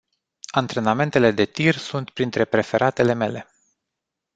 Antrenamentele de tir sunt printre preferatele mele.